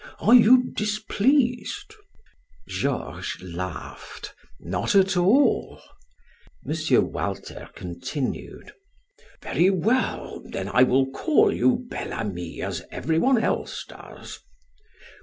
Are you displeased?" Georges laughed. "Not at all." M. Walter continued: "Very well, then I will call you Bel Ami as everyone else does.